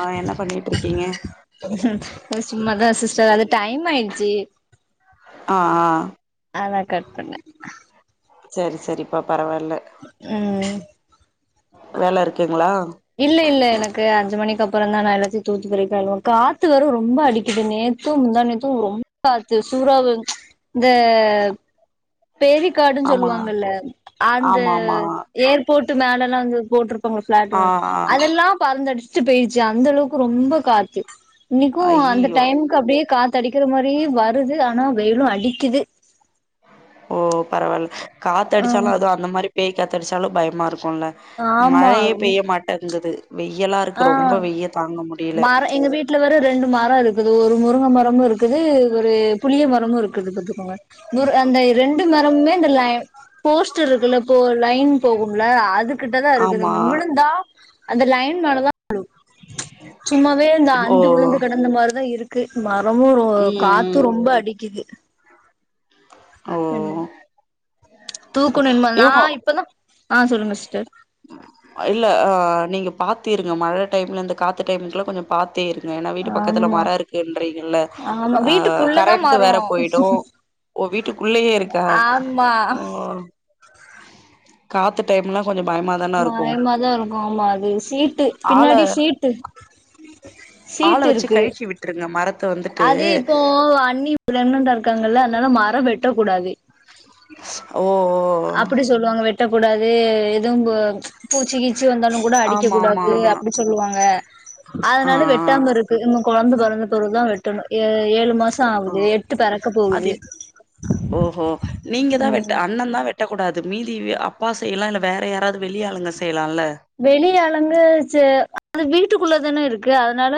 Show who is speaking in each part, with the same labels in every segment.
Speaker 1: ஆ என்ன பண்ணிட்டு இருக்கீங்க
Speaker 2: சும்மாதான் சிஸ்டர் அது டயம் ஆயிச்சி
Speaker 1: ஆ ஆ
Speaker 2: நா தா கட் பண்ண
Speaker 1: செரி செரி இப்போ பரவாயில்ல
Speaker 2: ம்
Speaker 1: வேல இருக்குங்ளா
Speaker 2: இல்ல இல்ல எனக்கு அஞ்சு மணிக்கு அப்பற தா நா எல்லாத்தையு தூத்து பெருக்கி கழுவுனு காத்து வேற ரொம்ப அடிக்கதுங்க நேத்து முந்தா நேத்து ரொம்ப காத்து சூறவு இந்த பேரிக்காடுன்னு
Speaker 1: ஆமா
Speaker 2: சொல்லுவாங்கல்ல அந்த
Speaker 1: ஆமா ஆமா
Speaker 2: ஏர்போர்ட்டு மேலல்லா வந்து போட்ரு ப்பாங்க பிளாட்
Speaker 1: ஆ ஆ
Speaker 2: மாரி அதெல்லா பறந்தடிச்சட்டு போயடுச்சு அந்த அளவுக்கு ரொம்ப காத்து இன்னைக்கு அந்த
Speaker 1: ஐய்யய்யோ
Speaker 2: டைமுக்கு அப்டியே காத்து அடிக்கிற மாரி வருது ஆனா வெயிலு அடிக்குது
Speaker 1: ஓ பரவாயில்ல
Speaker 2: ஆ
Speaker 1: காத்தடிச்சாலு அதோ அந்த மாரி பேய் காத்தடிச்சாலு பயமா இருக்குல
Speaker 2: ஆமா
Speaker 1: மழையே பெய்ய மாட்டேங்குது வெய்யல்லா இருக்கு
Speaker 2: ஆ
Speaker 1: ரொம்ப வெய்ய தாங்க முடில
Speaker 2: மரம் எங்க வீட்ல வேற ரெண்டு மரம் இருக்குது ஒரு முருங்க மரமு இருக்குது ஒரு புளிய மரமு இருக்குது பாத்துக்கோங்க மு அந்த இரண்டு மரமுமே இந்த போஸ்டர் இருக்குல்ல இப்போ லைன் போகும்ல அதுகிட்ட தா இருக்குது
Speaker 1: ஆமா
Speaker 2: ம் விழுந்தா அந்த லைன் மேலதா விழு சும்மாவே இந்த
Speaker 1: ஓ
Speaker 2: அந்து விழுந்த கடந்த மாரிதா இருக் கு மரமு
Speaker 1: ம்
Speaker 2: காத்து
Speaker 1: ம்
Speaker 2: ரொம்ப அடிக்குது
Speaker 1: ஓ
Speaker 2: சொல்லு
Speaker 1: சரி.
Speaker 2: தூக்குனு இன்மே நா
Speaker 1: இவுங்க
Speaker 2: இப்பதா ஆ சொல்லுங்க சிஸ்டர்
Speaker 1: ம் இல்ல நீங்க பாத்து இருங்க மழ டைம்ல இந்த காத்து டைமுக்குல்லா கொஞ்ச பாத்தே இருங்க ஏன்னா வீட் டு பக்கத்துல
Speaker 2: ஆமா
Speaker 1: மர இருக்குன்றீங்கல்ல
Speaker 2: ஆமா
Speaker 1: அ
Speaker 2: வீட்டுக்குள்ளதா
Speaker 1: கரண்ட்
Speaker 2: மரோ
Speaker 1: வேற போயிடு ஓ வீட்டுக்குள்ளயே இருக்கா
Speaker 2: ஆமா
Speaker 1: ஓ காத்து டைம்லா கொஞ்ச பயமா இரு
Speaker 2: பயமாதா இருக்கு ஆமா அது சீட்டு
Speaker 1: ஆள
Speaker 2: பின்னாடி சீட்டு
Speaker 1: ஆள
Speaker 2: சீட்டு
Speaker 1: வச்சு
Speaker 2: இருக்கு
Speaker 1: கழச்சி விட்டுருங்க மரத்த வந்துட்டு
Speaker 2: பிரகனன்டா இருக்காங்கல்ல அதனால மர வெட்டக்கூடாது
Speaker 1: ஓ ஓ
Speaker 2: அப்டி சொல்லுவாங்க வெட்டக்கூடாது எதுவு பூச்சி கீச்சி வந்தாலு கூட அடிக்க
Speaker 1: ஆமா ஆமா
Speaker 2: கூடாது அப்டி சொல்லுவாங்க
Speaker 1: ஆ
Speaker 2: அதனால வெட்டாம்பருக் இவுங்க கொழந்த பெறந்த பெருகு தா வெட்டணு ஏழு மாச
Speaker 1: ஓ அது இப் ஓஹோ நீங்க தா
Speaker 2: ம்
Speaker 1: வெட்ட அண்ணன் தா வெட் டக் கூடாது மீதி அப்பா செய்லா இல்ல வேற யாராவது வெளிய ஆளுங்க செய்லால்ல
Speaker 2: வெளிய ஆளுங்க ச அது வீட்டுக்குள்ளதான இருக்கு அதனால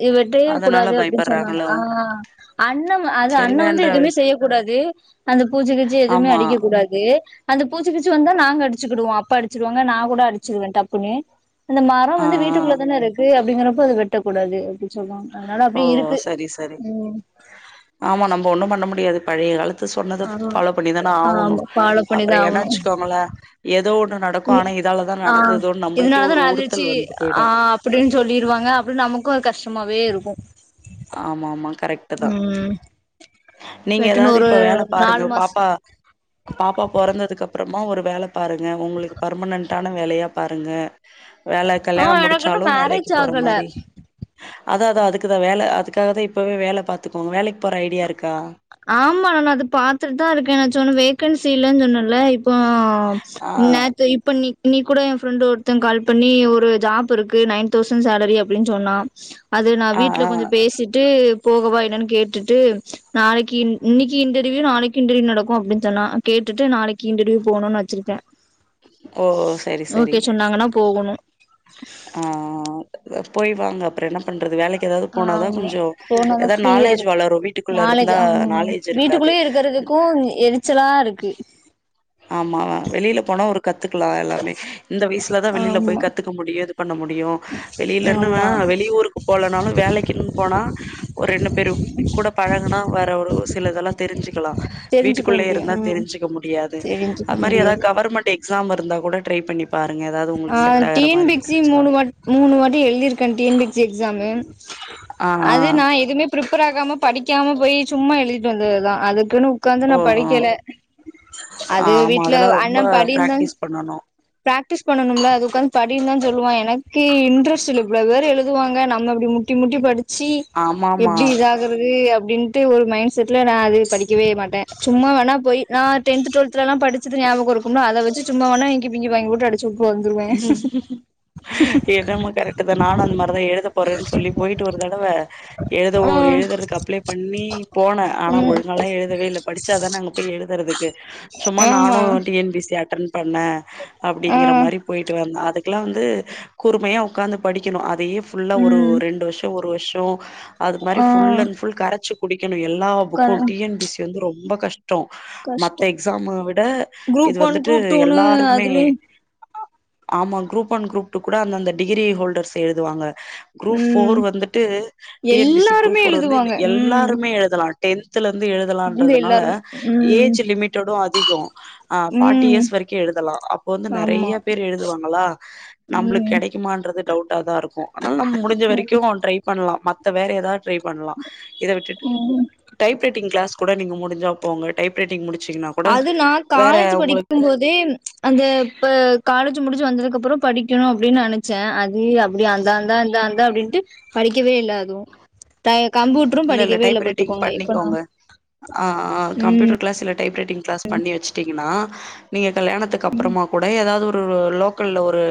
Speaker 2: நீ வெட்டவே
Speaker 1: அதனால
Speaker 2: கூடாது அப்டின்னு சொன்னாங்க
Speaker 1: பயப்பட்றாங்களோ
Speaker 2: ஆ அண்ணம் அது
Speaker 1: சரி
Speaker 2: அண்ணன் வந்து
Speaker 1: வேண்டா
Speaker 2: எதுவுமே செய்ய கூடாது அந்த பூச்சு கீச்சு எதுவுமே
Speaker 1: ஆமா
Speaker 2: அடிக்க கூடாது அந்த பூச்சி கீச்சி வந்தா நாங்க அடிச்சுகீடுவோ அப்பா அடிச்சிடுவாங்க நான் கூட அடிச்சிடுவ டப்புன்னு அந்த மரோ
Speaker 1: ஆ ஆ
Speaker 2: வந்து வீட்டுக்குள்ள தான இருக்கு அப்டிங்கறப்போ அத வெட்டக்கூடாது அப்டினு சொல்வாங் அதனால
Speaker 1: ஓ
Speaker 2: அப்டி இருக்கு
Speaker 1: சரி சரி
Speaker 2: ம்
Speaker 1: ஆமா நம்ம ஒண்ணு பண்ண முடியாது பழைய காலத் து சொன்னது
Speaker 2: ஆமா
Speaker 1: ஃபாலோ பண்ணி தான ஆகணு
Speaker 2: ஆமா ஃபாலோ
Speaker 1: அப்பறோ
Speaker 2: பண்ணிதா
Speaker 1: ஏன்னா
Speaker 2: ஆவணு
Speaker 1: வச்சுக்கோங்கள எதோ ஒண்ணு நடக்கு ஆனா இதாலதா
Speaker 2: ஆ
Speaker 1: நடந்துதோனு நம்பளுக்கே
Speaker 2: இதனாலதா
Speaker 1: ஒரு
Speaker 2: நடந்துருச்சு
Speaker 1: உறுத்தல் வந்து
Speaker 2: ஆ
Speaker 1: போயிடு
Speaker 2: அப்டின்னு சொல்லிருவாங்க அப்ற நமக்கும அது கஷ்டமாவே இருக்கு
Speaker 1: ஆமா ஆமா கரெக்
Speaker 2: ம்
Speaker 1: நீங்க
Speaker 2: வெட்டுன்னு
Speaker 1: எதாது
Speaker 2: ஒரு
Speaker 1: இப்ப வேல பாருங்க
Speaker 2: நாலு மாசம்
Speaker 1: பாப்பா பாப்பா பொறந்ததுக்கப்பறமா ஒரு வேல பாருங்க உங்களுக்கு பர்மனன்ட்டான வேலயா பாருங்க வேல
Speaker 2: ஆ
Speaker 1: கல்யாணோ
Speaker 2: எனக்கு இன்னு
Speaker 1: முடிச்சாலு வேலைக்கி
Speaker 2: மேரேஜ்
Speaker 1: போற
Speaker 2: ஆகல
Speaker 1: மாரி அதாதா அதுக்குதா வேல அதுக்காகதா இப்பவே வேல பாத்துக்கோங்க வேலக்கி போற ஐடியா இருக்கா
Speaker 2: ஆமா நான் அது பாத்துட்டுதா இருக்கேன் நான் சொன்ன வேகன்சி இல்லன்னு சொன்னன்ல்ல இப்போ
Speaker 1: ஆ
Speaker 2: ஓ நேத்து இப்ப நீ இன்னிக்கூட என் ஃப்ரெண்டு ஒருத்தன் கால் பண்ணி ஒரு ஜாப் இருக்கு நைன் தௌசண் சேலரி அப்டின்னு சொன்னான் அது நா
Speaker 1: ஆ
Speaker 2: வீட்ல
Speaker 1: ஆ
Speaker 2: கொஞ்சோ பேசிட்டு போகவா என்னன்னு கேட்டுட்டு நாளக்கி இன்னக்கி இன்டர்வியூ நாளைக்கு இன்டர்வியூ நடக்கு அப்டின் சொன்னா கேட்டுட்டு நாளைக்கி இன்டர்வியூ போகுன்னு வெச்சிருக்க
Speaker 1: ஓ சரி சரி
Speaker 2: நாங்கனா போகணு
Speaker 1: ஆ போய் வாங்க அப்பற என்ன பண்றது வேலக்கி எதாது போனாதா
Speaker 2: ஆமா
Speaker 1: கொஞ்சோ
Speaker 2: போனாதா
Speaker 1: எதா
Speaker 2: ஃப்ரீயா
Speaker 1: நாலேஜூ
Speaker 2: இருக்கு
Speaker 1: வளரு வீட்டுக்குள்ள
Speaker 2: நாலேஜ்
Speaker 1: இருந்தா
Speaker 2: ம்
Speaker 1: நாலே
Speaker 2: வீட்டுக்குள்ளயே இருக்கறதுக்கு எரிச்சலா இருக்கு
Speaker 1: ஆமா வெளில போனா ஒரு கத்துக்கலா எல்லாமே இந்த வயசுலதா வெளில
Speaker 2: ஆமா
Speaker 1: போய் கத்துக்க முடியு இது பண்ண முடியு வெளிலன்னா
Speaker 2: ஆமா
Speaker 1: வெளி ஊருக்கு போலனாலு வேலக்கின்னு போனா ஒரு ரெண்டு பேரு கூட பழகுனா வேற ஒரு சில இதெல்லா தெரிஞ்சுக்கலா
Speaker 2: தெரிஞ்சுக்க
Speaker 1: வீட்டுக்குள்ளயே
Speaker 2: முடியு
Speaker 1: இருந்தா
Speaker 2: ம்
Speaker 1: தெரிஞ்சுக்க முடியாது
Speaker 2: தெரிஞ்சுக்க
Speaker 1: அது மாரி எதா
Speaker 2: முடியாது
Speaker 1: கவர்மெண்ட் எக்ஸாம் இருந்தா கூட ட்ரை பண்ணி பாருங்க எதாது
Speaker 2: ஆ
Speaker 1: உங்களுக்கு
Speaker 2: டி
Speaker 1: செட்டாகற
Speaker 2: என்
Speaker 1: மாரி
Speaker 2: பி சி
Speaker 1: இருந்துச்சுனா
Speaker 2: மூணு வாட் மூணு வாட்டி எழுதிருக்கேன் T N P C exam
Speaker 1: ஆ,
Speaker 2: அது
Speaker 1: ஆ.
Speaker 2: நா எதுமே ப்ரிப்பேர் ஆகாம படிக்காம போயி சும்மா எழுதிட்டு வந்ததுதான் அதுக்குன்னு உக்காந்து
Speaker 1: ஓ
Speaker 2: நா படிக்கல அது
Speaker 1: ஆமா
Speaker 2: வீட்ல
Speaker 1: அதெல்லா ரொம்ப
Speaker 2: அண்ண படிந்தான்
Speaker 1: பிராக்டிஸ் பண்ணணு
Speaker 2: பிராக்டிஸ் பண்ணனுமல்ல அது உக்காந்து படின்தான் சொல்லுவான் எனக்கே இன்ட்ரெஸ்ட்டு இல்ல இவ்ளோ பேரு எழுதுவாங்க நம்ம இப்டி முட்டி முட்டி படி ச்சி
Speaker 1: ஆமா ஆமா
Speaker 2: எப்டி இதா கறது அப்டின்ட்டு ஒரு மைண்ட் செட்ல நா அது படிக்கவே மாட்ட சும்மா வேணா போயி நான் டென்த்து டுவெல்த்தெலல்லா படிச்சது ஞாபகோ இருக்குமல்ல அத வெச்சு சும்மா வேனா இங்கி பிங்கி பாங்கி போட்டு அடு வந்துருவேன்
Speaker 1: ம் என்னமோ கரெட்டுதான் நானு அந்தமாரிதான் எழுதப்போறன்னு சொல்லி போயிட்டு ஒரு தடவ எழுத ஒ எழுதறதுக்கு அப்ளை பண்ணி போன ஆனா
Speaker 2: ம்
Speaker 1: ஒழுங்கால்லா எழுதவே இல்ல படிச்சாதான அங்க போயி எழுதறதுக்கு சும்மா
Speaker 2: ஆமா
Speaker 1: நானு T N P C attend பண்ண
Speaker 2: ஆ
Speaker 1: அப்டிங்கற மாரி வந்த அதுக்கெல்லா வந்து கூறுமையா உக்காந்து படிக்கணு அதயே ஃபுல்லா ஒரு
Speaker 2: ம்
Speaker 1: ரெண்டு வருஷோ ஒரு வருஷோ அது மாரி
Speaker 2: ஆ
Speaker 1: ஃபுல் அண் ஃபுல் கரச்சி குடிக்கணு எல்லா
Speaker 2: க
Speaker 1: book T N P C இது வந்து ரொம்ப கஷ் டோ
Speaker 2: கஷ்டோ
Speaker 1: மத்த எக்ஸாம விட இது
Speaker 2: குரூப் ஒன்
Speaker 1: வந்துட்டு
Speaker 2: குரூப் டூனு
Speaker 1: எல்லாருமே
Speaker 2: அதுலயு
Speaker 1: ஆமா குரூப் ஒன் குரூப் டூ கூட அந்தந்த டிகிரி ஹோல்டர்ஸ் எழுதுவாங்க குரூப் ஃபோர்
Speaker 2: ம்
Speaker 1: வந்துட்டு T N P C group
Speaker 2: எல்லாருமே
Speaker 1: ஃபோர் வந்து இந்த
Speaker 2: எழுதுவாங்க ம்
Speaker 1: எல்லாருமே எழுதலா டென்த்லந்து
Speaker 2: இந்த
Speaker 1: எழுதலான்றதுனால
Speaker 2: எல்லாருமே ம்
Speaker 1: ஏஜ் லிமிட்டடு அதிகோ ஆ ஃபார்ட்டி
Speaker 2: ம்
Speaker 1: இயர்ஸ் வரைக்கு எழுதலா அப்ப வந்து
Speaker 2: ஆமா
Speaker 1: நெறைய பேரு எழுதுவாங்களா நம்மளுக்கு
Speaker 2: ம்
Speaker 1: கெடைக்குமான்றது டவுட்டாதா இருக்கு ஆனாலு நம்ம முடிஞ்ச வரைக்கு ட்ரை பண்லா மத்த வேற எதா ட்ரை பண்லா இத விட்டுட்டு டைப் ரைட்டிங் கிளாஸ் கூட நீங்க முடிஞ்சா போங்க டைப் ரைட்டிங் முடிச்சீங்னா
Speaker 2: அது நா காலேஜூ படிக்கும்போதே அந்த இப்ப காலேஜூ முடிஞ்சு வந்ததுக்கப்பறோ படிக்கணு அப்டினு நனச்ச அது அ அப்டி அந்தாந்தா அந்தா அந்தா அப்டின்ட்டு படிக்கவே இல்ல அதுவு த கம்ப்யூட்டரு
Speaker 1: இல்ல இல்ல
Speaker 2: படிக்கவே
Speaker 1: டைப் ரைட்டிங்
Speaker 2: பாத்துக்கோங்க இப்ப நா
Speaker 1: பண்ணிக்கோங்க ஆ அ
Speaker 2: ம்
Speaker 1: கம்ப்யூட்டர் கிளாஸ் இல்ல டைப் ரைட்டிங் கிளாஸ் பண்ணி வச்சுட்டீங்கன்னா நீங்க கல்யாணத்துக்கு அப்பறமா கூட ஏதாவது ஒரு லோக்கல்ல ஒரு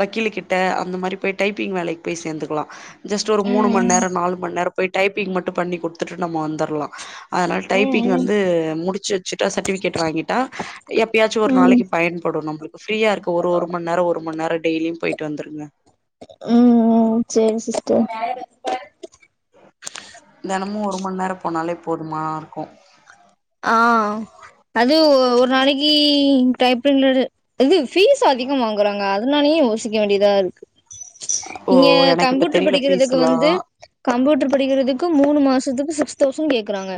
Speaker 1: வக்கீலு கிட்ட அந்த மாரி போய் டைப்பிங் வேலைக்கு போய் சேந்துக்கலா ஜஸ்ட் ஒரு மூணு மண் நேர நாலு மண் நேரோ போய் டைப்பிங் மட்டு பண்ணி குடுத்துட்டு நம்ம வந்துர்லா அதனால டைப்பிங்
Speaker 2: ம்
Speaker 1: வந்து முடிச்சு வச்சுட்டா சர்டிஃபிகேட் வாங்கி ட்டா எப்பயாச்சு ஒரு
Speaker 2: ம்
Speaker 1: நாளைக்கு பயன்படு நம்முளுக்கு ஃப்ரீயா இருக்கு ஒரு ஒரு மண் நேர ஒரு மண் நேரோ டெய்லியு போயிட் ட்டு வந்துருங்க
Speaker 2: ம் ம் சேரி சிஸ்டர்
Speaker 1: தெனமு ஒரு மண் நேர போனாலே போதுமா இருக்கு
Speaker 2: ஆ அது ஒரு நாளைக்கு டைப்பிங்லது இது ஃபீஸ் அதிகம் வாங்குறாங்க அதனாலயே யோசிக்க வேண்டியதா இருக்கு
Speaker 1: ஓ
Speaker 2: இங்க
Speaker 1: எனக்கு இப்ப
Speaker 2: கம்பியூட்டர்
Speaker 1: தெரியல
Speaker 2: படிக்கிறதுக்கு
Speaker 1: ஃபீஸ்ல்லா
Speaker 2: வந்து கம்பியூட்டர் படிக்கிறதுக்கு மூணு மாசத்துக்கு சிக்ஸ் தௌசண்ட் கேக்குறாங்க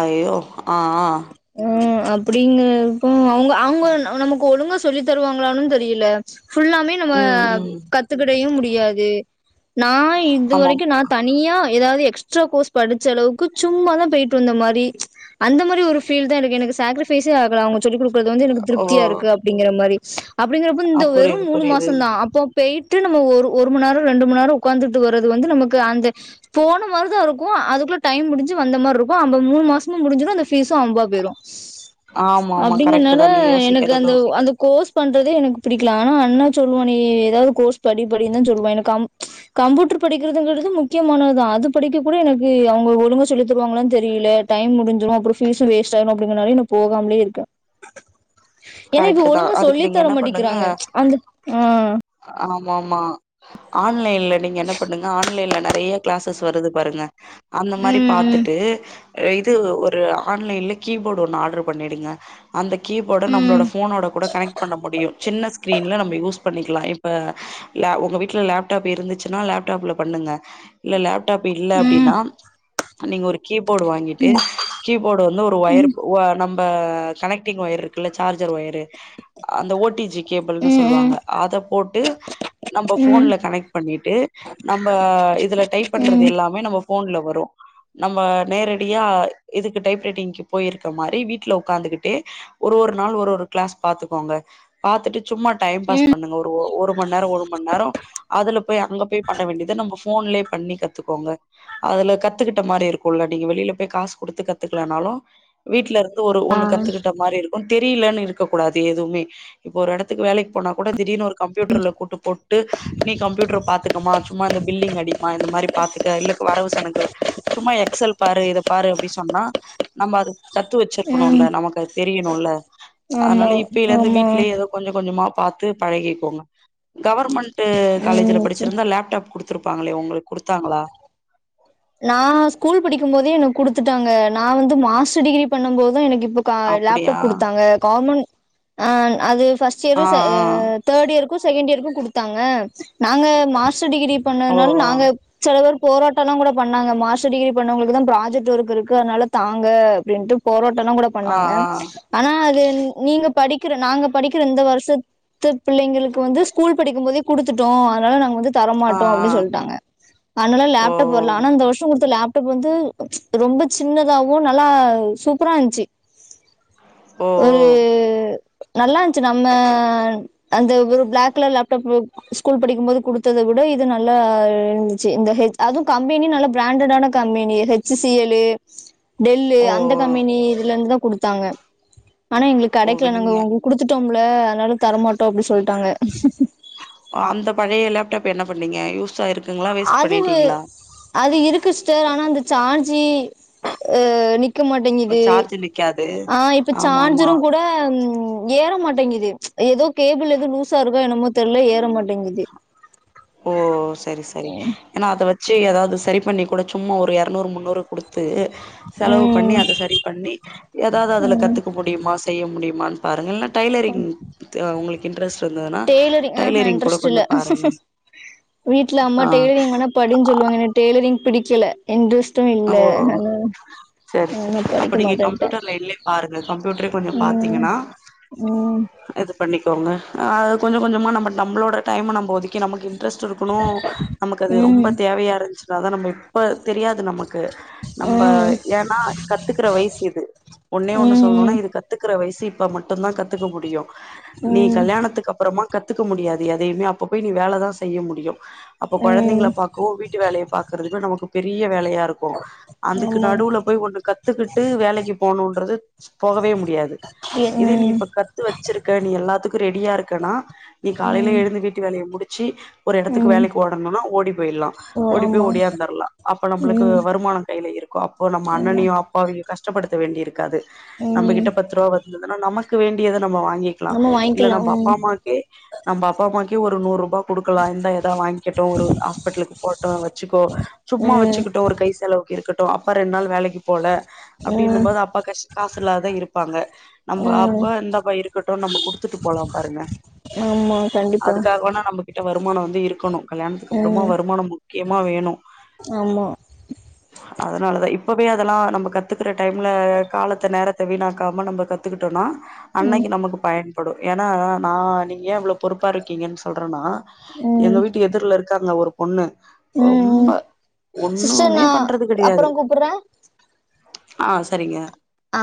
Speaker 1: அய்யோ ஆ அ
Speaker 2: ம் அப்டிங்கறப்போ அவுங்க அவுங்க நமக்கு ஒழுங்கா சொல்லி தருவாங்களானு தெரியல ஃபுல்லாமே நம்ம
Speaker 1: ம் ம்
Speaker 2: கத்துக்கிடயு முடியாது நா இது
Speaker 1: ஆமாம்
Speaker 2: வரைக்கு நா தனியா எதாவது எக்ஸ்ட்ரா கோர்ஸ் படிச்ச அளவுக்கு சும்மாதா போயிட்டு வந்த மாரி அந்த மாரி ஒரு ஃப் ஃபீல் தா எனக்கு எனக்கு சேச்ரிஃபைஸே ஆகல அவுங்க சொல்லி குடுக்குறது வந்து எனக்கு
Speaker 1: ஓ
Speaker 2: திருப்திய இருக்கு அப்டிங்கற மாரி அப்டிங்கறப்ப
Speaker 1: அ
Speaker 2: இந்த வெறும்
Speaker 1: புரியுது
Speaker 2: மூணு
Speaker 1: புரியுது
Speaker 2: மாச தா அப்போ போய்ட்டு நம்ம ஒரு ஒரு மண் நேர ரெண்டு மண் நேர உக்காந்துட்டு வறது வந்து நமக்கு அந்த போன மாரி தா இருக்கு அதுகுள்ள டைம் முடிஞ்சி வந்த மாரி இருக்கு அந்த மூணு மாசமு முடிஞ்சிடு அந்த ஃபீஸ் து அம்பா போயிரு
Speaker 1: ஆமா ஆமா கரெக்ட்
Speaker 2: அப்டிங்கறனால
Speaker 1: தா நீங்க
Speaker 2: எனக்கு அந்த
Speaker 1: யோசிக்கிறது
Speaker 2: அந்த கோஸ் பண்றதே எனக்கு புடிக்கல ஆனா அண்ணா சொல்லுவா நீ எதாவது கோர்ஸ் படி படினு தா சொல்லுவா எனக்கு அம் கம்பியூட்டர் படிக்கிறதுங்குறது முக்கியமானதுதா அது படிக்க கூட எனக்கு அவுங்க ஒழுங்கா சொல்லி தருவாங்களானு தெரியல டைம் முடிஞ்சிடு அப்புற ஃபீஸு வேஸ்ட் ஆயிடு அப்டிங்கனாலயே நா போகாமலே இருக்கே ஏன்னா இப்ப
Speaker 1: கரெக்ட் தா
Speaker 2: ஒழுங்க சொல்லி
Speaker 1: அதுக்கு நீங்க
Speaker 2: தர
Speaker 1: என்ன பண்ணுங்க
Speaker 2: மாட்டக்கிறாங்க அந்த ஆ
Speaker 1: ஆமா ஆமா ஆன்லைன்ல நீங்க என்ன பண்ணுங்க ஆன்லைன்ல நெறைய கிளாசஸ் வருது பாருங்க அந்த மாரி
Speaker 2: ம்
Speaker 1: பாத்துட்டு இது ஒரு ஆன்லைன்ல கீபோர்டு ஒண்ணு ஆர்டர் பண்ணிடுங்க அந்த கீபோர்ட்
Speaker 2: ம்
Speaker 1: ஃபோனோட கூட கனெக்ட் பண்ண முடியு சின்ன ஸ்கிரீன்ல நம் யூஸ் பண்ணிக்கலா இப்ப உங்க வீட்டுல லேப்டாப் இருந்துச்சுன்னா லேப்டாப்ல பண்ணுங்க இல்ல லேப் டாப் இல்ல
Speaker 2: ம்
Speaker 1: அப்டின்னா நீங்க ஒரு கீப்போர்டு வாங்கிட்டு கீபோர்ட வந்து ஒரு ஒயர்
Speaker 2: ம்
Speaker 1: ஒ நம்ப கனெக்டிங் ஒயர் இருக்குல்ல சி சார்ஜர் ஒயரு அந்த ஓ டி ஜி கேபிள்ன்னு
Speaker 2: ம் ம்
Speaker 1: சொல்லுவாங்க அத போட்டு நம்ம
Speaker 2: ம்
Speaker 1: ஃபோன்ல கனெக்ட் பண்ணிட்டு நம்ம இதுல டைப் பண்றது
Speaker 2: ம்
Speaker 1: எல்லாமே நம்ம ஃபோன்ல வரு நம்ம நேரடியா இதுக்கு டைப் ரைட்டிங்க்கு போயிருக்க மாரி வீட்டுல உக்காந்துகிட்டே ஒரு ஒரு நாள் ஒரு ஒரு கிளாஸ் பாத்துக்கோங்க பாத்துட்டு சும்மா டைம் பாஸ்
Speaker 2: ம்
Speaker 1: பண்ணுங்க ஒரு ஒரு மண் நேரோ ஒரு மண் நேரோ அதுல போய் அங்க போய் பண்ண வேண்டியது நம்ம ஃபோன்லயே பண்ணி கத்துக்கோங்க அதுல கத்துக்கிட்ட மாரி இருக்குல்ல நீங்க வெளில போய் காசு குடுத்து கத்துக்கலேனாலு வீட்ல இருந்து ஒரு ஒண்ணு கத்துக்கிட்ட மாரி இருக்கு தெரியலன்னு இருக்க கூடாது எதுவுமே இப்போ ஒரு எடத் துக்கு வேலைக்கு போனா கூட திடீர்னு ஒரு கம்யூட்டர்ல கூட்டு போட்டு நீ கம்பியூட்டர் பாத்துக்கமா சும்மா இந்த பில்லிங் அடிமா இந்த மாரி பாத்துக்க இல்லக்கு வரவு செனக்கு சும்மா எக்சல் பாரு இத பாரு அப்டி சொன்னா நம்ம அது கத்து
Speaker 2: ம்
Speaker 1: வெச்சிருக்கணுல நமக்கு அது தெரியணுல்ல
Speaker 2: ஆமா
Speaker 1: அதனால இப்பைல இருந்து
Speaker 2: ஆமா
Speaker 1: வீட்லயே ஏதோ கொஞ்சம் கொஞ்சமா பாத்து பழகிக்கோங்க கவர்மெண்ட் காலேஜ்ல
Speaker 2: ம் ச
Speaker 1: படிச்சிருந்தா லேப்டாப் கொடுத்து திருப்பாங்களே உங்களுக்கு கொடுத்தாங்களா
Speaker 2: நான் ஸ்கூல் படிக்கும் போதே எனக்கு குடுத்துட்டாங்க நான் வந்து மாஸ்டர் டிகிரி பண்ணும் போது எனக்கு இப்ப லேப்டாப்
Speaker 1: அப்டியா
Speaker 2: கொடுத்தாங்க கவர்மெண்ட் அது பர்ஸ்ட்
Speaker 1: ஆ
Speaker 2: இயர்
Speaker 1: ஆ
Speaker 2: தேர்ட் இயருக்கும் செகண்ட் இயருக்கும் குடுத்தாங்க நாங்க மாஸ்டர் டிகிரி
Speaker 1: ஓ
Speaker 2: பண்ணதுனால
Speaker 1: ஓ
Speaker 2: நாங்க செல பேர் போராட்டம் எல்லாம் கூட பண்ணாங்க மாஸ்டர் டிகிரி பண்ணவங்களுக்கு தான் ப்ராஜெக்ட் ஒர்க் இருக்கு அதனால தாங்க அப்டின்ட்டு போராட்டம்ல கூட
Speaker 1: ஆ
Speaker 2: பண்ணாங்க
Speaker 1: ஆ
Speaker 2: ஆனா அது நீங்க படிக்கிற நாங்க படிக்கிற இந்த வருஷத் து பிள்ளைங்களுக்கு வந்து ஸ்கூல் படிக்கும் போதே குடுத்துட்டோம் அதனால நாங்க வந்து
Speaker 1: ஆ ஆ
Speaker 2: தரமாட்டோம் அப்டி சொல்டாங்க அதனால
Speaker 1: ஓ
Speaker 2: லேப்டாப் வரல ஆனா இந்த வருஷம் குடுத்த லேப்டாப் வந்து ரொம்ப சின்னதாவும் நல்லா சூப்பரா இருன்ச்சு
Speaker 1: உஹ
Speaker 2: ஒரு நல்லா இருந்ச்சு நம்ம அந்த ஒரு பிளாக் கலர் லேப்டாப் ஸ்கூல் படிக்கும் போது குடுத்தத விட இது நல்லா இருந்துச்சு இந்த அதுவும் கம்பெனி நல்ல பிராண்டடான company H C L Dell
Speaker 1: ஓ ஓ
Speaker 2: அந்த கம்பெனி இதுல இருந்துதான் குடுத்தாங்க ஆனா எங்களுக்கு
Speaker 1: ஓ ஓ
Speaker 2: கடைக்கல நாங்க
Speaker 1: நீங்க
Speaker 2: உங்களுக்கு குடுத்துட்டோம்ல அதனால தரமாட்டோம் அப்டி சொல்டாங்க
Speaker 1: அந்த பழைய லேப்டாப் என்ன பண்ணீங்க யூஸ் ஆ இருக்
Speaker 2: அதுவு அது இருக்கு சிஸ்டர் ஆனா அந்த சார்ஜி நிக் க்க மாட்டேங்குது
Speaker 1: சார்ஜ் நிக்காது
Speaker 2: ஆ இப்ப
Speaker 1: ஆமா ஆமா
Speaker 2: சார்ஜரும் கூட ஏறமாட்டேங்குது ஏதோ கேபிள் ஏதோ லூஸா இருக்கோ என்னமோ தெரில ஏற மாட்டேங்குது
Speaker 1: ஓ செரி செரி ஏன்னா அத வச்சு ஏதாவது சரி பண்ணி கூட சும்மா ஒரு எருநூறு முந்நூறு கொடுத்து செலவு பண்ணி
Speaker 2: ம்
Speaker 1: அத சரி பண்ணி ஏதாவது அதுல கத்துக்க முடியுமா செய்ய முடியுமனு பாருங்க இல்ல டைலரிங் உங்களுக்கு இன்ட்ரெஸ்ட் இருந்துன்னா
Speaker 2: டெய்லரிங் ஆஹா
Speaker 1: டைலரிங் கூட கொஞ்சம் பாருங்க
Speaker 2: வீட்டுல அம்மா டெ்ரிங் வேண்ணா படின்னு
Speaker 1: ஆ
Speaker 2: சொல்லுவாங்க என டெ்ரிங் பிடிக்கல இன்டஸ்டும் இல்ல அனா
Speaker 1: செரி அப்ப நீங்க கம்ப்யூட்டர் லைன்லே பாருங்க கம்ப்யூட்டரே கொஞ்சம்
Speaker 2: ம்
Speaker 1: பாத்தீங்கன்னா
Speaker 2: ம்
Speaker 1: இது பண்ணிக்கோங்க அது கொஞ்சம் கொஞ்சமா நம்ம நம்மளோட டைம் நம்ம ஒதுக்கி நமக்கு இன்ட்ரெஸ்ட் இருக்கணு நமக்கு அது ரொம்ப
Speaker 2: ம்
Speaker 1: தேவையா இருந்துச்சுனாதான் நம்ம இப்ப தெரியாது நமக்கு நம்ப
Speaker 2: ம்
Speaker 1: ஏன்னா கத்துக்கற வயசு இது ஒன்னே ஒண்ணு
Speaker 2: ம்
Speaker 1: சொல்லணும்னா
Speaker 2: ம்
Speaker 1: இது கத்து கத்துக்கிற வயசு இப்ப மட்டும் தான் கத்துக்க முடியும் நீ
Speaker 2: ம்
Speaker 1: கல்யாணத்துக்கு அப்பறமா கத்துக்க முடியாது எதையுமே அப்ப போய் நீ வேலைதான் செய்ய முடியும் அப்ப
Speaker 2: ம்
Speaker 1: குழந்தைங்களை பாக்கவும் வீட் டு‌ வேலையை பக்கிறதுக்கு நமக்கு பெரிய வேலையா அதுக்கு
Speaker 2: ஆமா
Speaker 1: நடுவுல போய் ஒண்ணு கத்துக்கிட்டு வேலைக்கு போணும்ன்றது போகவே முடியாது
Speaker 2: எ ம்
Speaker 1: த்து வச்சிருக்க நீ எல்லாத்துக்கு ரெடியா இருக்கனா நீ காலைல
Speaker 2: ம்
Speaker 1: எழுந்து வீட்டு வேலய முடிச்சி ஒரு எடத்துக்கு
Speaker 2: ம்
Speaker 1: வேலைக்கு ஓடனுனா ஓடி போயிர்லா
Speaker 2: ஓ
Speaker 1: ஓடி போய்
Speaker 2: ஆமா
Speaker 1: ஒடியாந்தர்லா அப்ப நம்ளுக்
Speaker 2: ம்
Speaker 1: வருமானோ கைல இருக்கு அப்போ நம்ம
Speaker 2: ஆமா
Speaker 1: அண்ணனயோ அப்பாவயோ கஷ்டப்படுத்த வேண்டி இருக்காது நம்ப
Speaker 2: ம்
Speaker 1: கிட்ட பத்துருவா வந்ததுன்னா நமக்கு வேண்டியத நம்ம வாங்கிக்லா
Speaker 2: நம்ம
Speaker 1: இல்ல
Speaker 2: வாங்கிக்கலா
Speaker 1: நம்ப அப்பா
Speaker 2: ம்
Speaker 1: அம்மா க்கே நம்ப அப்பா அம்மாக்கே ஒரு நூறுருபா குடுக்கலா இந்தா எதா வாய்ன்க்கட்டு ஒரு ஆஸ்பட்லுக்கு போட்டு வச்சுக்கோ சும்மா
Speaker 2: ம்
Speaker 1: வச்சுக்க கை செலவுக்கு இருக்கட்டு அப்பா ரெண் நாள் வேலைக்கு போல
Speaker 2: ம்
Speaker 1: அப்டின்னம் போது அப்பா கஷ் காசு இல்லாதா இருப்பாங்க நம்ப
Speaker 2: ம்
Speaker 1: அப்பா இந்தப்பா இருக்கட்டு நம்ப குடுத்துட்டு போலா பாருங்க
Speaker 2: ஆமா கண்டிப்பா
Speaker 1: அதுக்காக வேணா நம்ம கிட்ட வருமானொ வந்து இருக்கனு கல்யாணத்துக்கப்றமா
Speaker 2: ம்
Speaker 1: வருமானம் முக்கியமா வேணு
Speaker 2: ஆமா
Speaker 1: அதனாலதா இப்பவே அதல்லா நம்ம கத்துக்ற டைம்ல காலத்த நேரத்த வீணாக்காம நம்ப க த்துக்கிட்டோனா
Speaker 2: ம்
Speaker 1: அன்னக்கி நமக்கு பயன் படு ஏனா நா நீங்க ஏ இவ்ளோ பொறுப்பாருக்கீங்கன் சொல்றேன்னா எங்க
Speaker 2: ம் ம்
Speaker 1: வீட்டு எதிர்லருக்காங்க ஒரு பொண்ணு
Speaker 2: ம்
Speaker 1: ரொம்ப
Speaker 2: சிஸ்டர்
Speaker 1: ஒண்ணுமே
Speaker 2: நா
Speaker 1: பண்றது
Speaker 2: அப்புறோ
Speaker 1: கெடயாது
Speaker 2: கூப்புட்றே
Speaker 1: ஆ செரிங்க
Speaker 2: ஆ